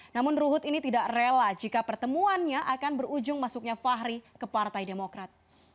namun ruhut ini tidak rela jika pertemuannya akan berujung masuknya fahri ke partai demokrat